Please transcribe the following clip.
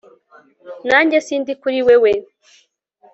Nanjye sindi kuri wewe